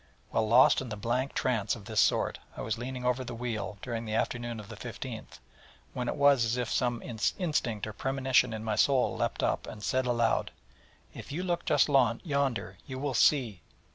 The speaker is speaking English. _' Well, lost in a blank trance of this sort, I was leaning over the wheel during the afternoon of the 15th, when it was as if some instinct or premonition in my soul leapt up, and said aloud: 'If you look just yonder, _you will see...!